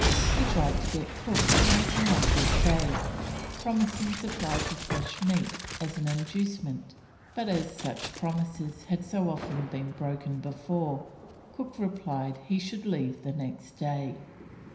He tried to get Cook to make a longer stay, promising supplies of fresh meat as an inducement, but as such promises had so often been broken before, Cook replied he should leave the next day.